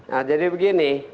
nah jadi begini